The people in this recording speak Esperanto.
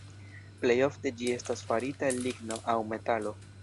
Plejofte ĝi estas farita el ligno aŭ metalo.